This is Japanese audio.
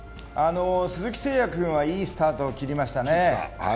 鈴木誠也君は、いいスタートを切りましたね。